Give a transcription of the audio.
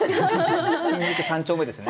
新宿三丁目ですね。